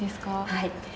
はい。